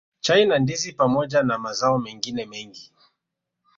Chai na Ndizi pamoja na mazao mengine mengi